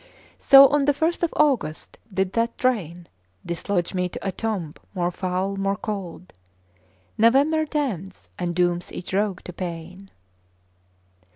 So on the first of August did that train Dislodge me to a tomb more foul, more cold: "November damns and dooms each rogue to pain!"